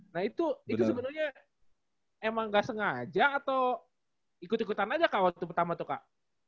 nah itu sebenarnya emang gak sengaja atau ikut ikutan aja kak waktu pertama tuh kak